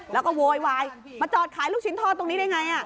แล้วก็โวยวายมาจอดขายลูกชิ้นทอดตรงนี้ได้ไง